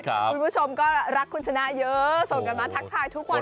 คุณผู้ชมก็รักคุณชนะเยอะส่งกันมาทักทายทุกวัน